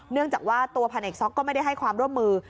เนื่องจากว่าตัวพันเอกซ็อกก็ไม่ได้ให้ความร่วมมือ